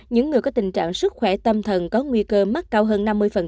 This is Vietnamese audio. những người có tình trạng sức khỏe tâm thần có nguy cơ mắc cao hơn năm mươi